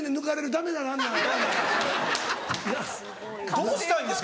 どうしたいんですか？